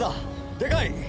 でかい！